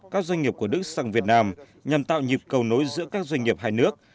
các doanh nghiệp của đức sang việt nam nhằm tạo nhịp cầu nối giữa các doanh nghiệp hai nước